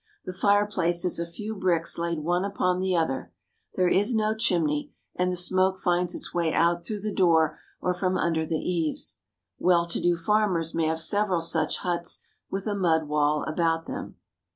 The fireplace is a few bricks laid one upon the other ; there is no chimney, and the smoke finds its way out through the door or from under the eaves. Well to do farmers may have several such huts, with a mud wall about them.